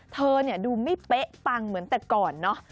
เธอเนี่ยดูไม่เป๊ะปังเหมือนแต่ก่อนเนาะ